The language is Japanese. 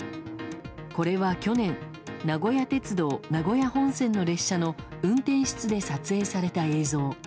これは去年名古屋鉄道名古屋本線の列車の運転室で撮影された映像。